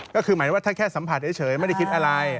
ก็คือหมายว่าถ้าแค่สัมผัสเฉยไม่ได้คิดอะไร